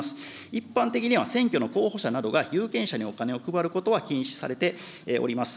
一般的には選挙の候補者などが、有権者にお金を配ることは禁止されております。